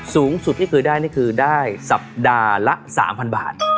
สูงสุดที่เคยได้นี่คือได้สัปดาห์ละ๓๐๐บาท